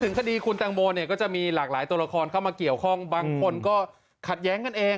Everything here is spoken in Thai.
คดีคุณแตงโมเนี่ยก็จะมีหลากหลายตัวละครเข้ามาเกี่ยวข้องบางคนก็ขัดแย้งกันเอง